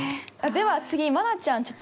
では、次、愛菜ちゃん